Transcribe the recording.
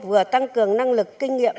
vừa tăng cường năng lực kinh nghiệm